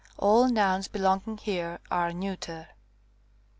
All nouns belonging here are neuter.